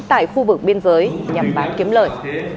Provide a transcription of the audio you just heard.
tại khu vực biên giới nhằm bán kiếm lợi